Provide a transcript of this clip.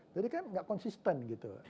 jadi kan nggak konsisten gitu